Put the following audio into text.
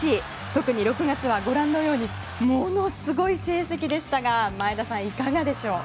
特に６月は、ご覧のようにものすごい成績でしたが前田さん、いかがでしょう。